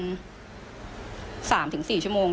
ก่อนสักประมาณ๓๔ชั่วโมง